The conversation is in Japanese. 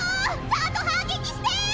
ちゃんと反撃して！